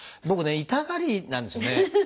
僕ね痛がりなんですよね。